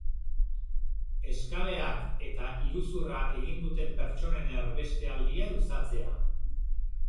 Eskaleak eta iruzurra egin duten pertsonen erbestealdia luzatzea.